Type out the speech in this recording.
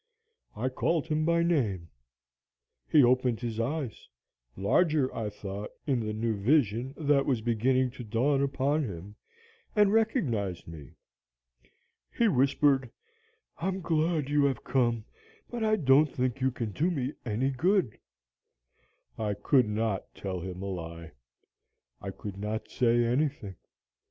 I called him by name. He opened his eyes larger, I thought, in the new vision that was beginning to dawn upon him and recognized me. He whispered, 'I'm glad you are come, but I don't think you can do me any good.' "I could not tell him a lie. I could not say anything.